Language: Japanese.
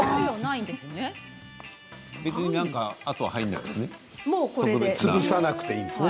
別にあとは何も入らないんですね。